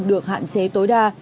được hạn chế tối đa